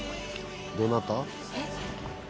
どなた？